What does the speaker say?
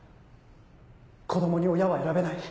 子供に親は選べない。